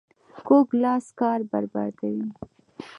کوږ لاس کار بربادوي